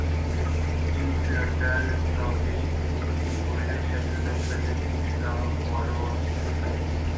Ince Blundell is probably the oldest settlement within the borough of Sefton.